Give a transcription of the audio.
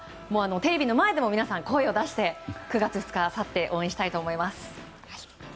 テレビの前でも皆さん声を出して９月２日、あさって応援したいと思います。